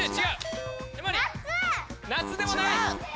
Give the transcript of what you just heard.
夏でもない。